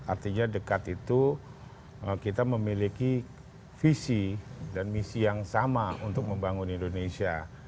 artinya dekat itu kita memiliki visi dan misi yang sama untuk membangun indonesia